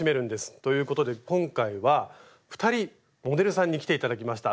ということで今回は２人モデルさんに来て頂きました。